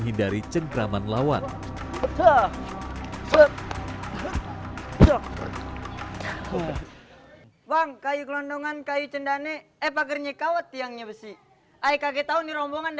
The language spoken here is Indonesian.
cingkrik ini berasal dari bahasa betawi